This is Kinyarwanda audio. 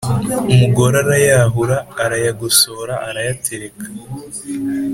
Umugore arayahura arayagosora arayatereka